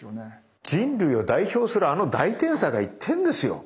人類を代表するあの大天才が言ってんですよ。